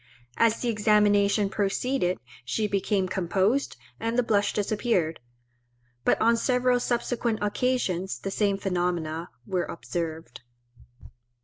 As the examination proceeded she became composed, and the blush disappeared; but on several subsequent occasions the same phenomena were observed.